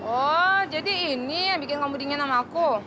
oh jadi ini yang bikin kamu dingin sama aku